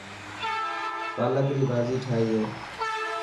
پالڪ ري ڀاڄي ٺاهي هي.